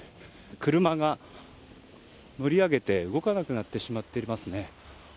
車が乗り上げて動かなくなってしまっていますね。